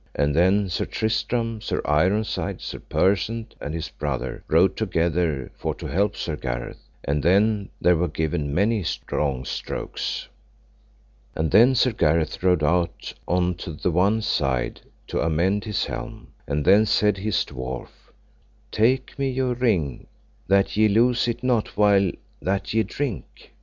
And then Sir Tristram, Sir Ironside, Sir Persant, and his brother, rode together for to help Sir Gareth; and then there were given many strong strokes. And then Sir Gareth rode out on the one side to amend his helm; and then said his dwarf: Take me your ring, that ye lose it not while that ye drink.